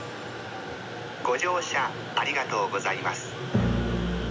ご乗車ありがとうございます。